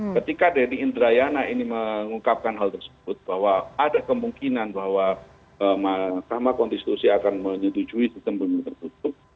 ketika denny indrayana ini mengungkapkan hal tersebut bahwa ada kemungkinan bahwa mahkamah konstitusi akan menyetujui sistem pemilu tertutup